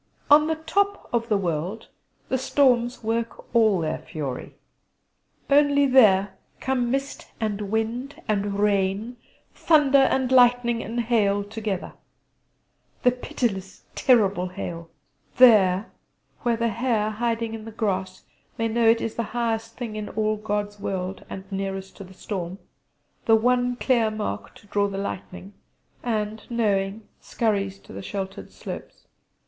On the top of the world the storms work all their fury. Only there come mist and wind and rain, thunder and lightning and hail together the pitiless terrible hail: there, where the hare hiding in the grass may know it is the highest thing in all God's world, and nearest to the storm the one clear mark to draw the lightning and, knowing, scurries to the sheltered slopes.